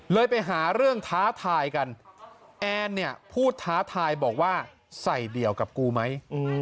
ไปหาเรื่องท้าทายกันแอนเนี่ยพูดท้าทายบอกว่าใส่เดี่ยวกับกูไหม